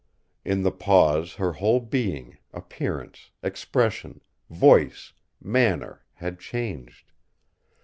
In the pause her whole being, appearance, expression, voice, manner had changed.